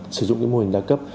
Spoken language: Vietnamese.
sử dụng mô hình đa cấp